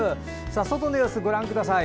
外の様子をご覧ください。